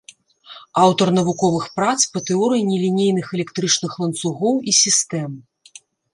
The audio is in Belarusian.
Аўтар навуковых прац па тэорыі нелінейных электрычных ланцугоў і сістэм.